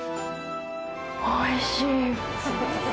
おいしい。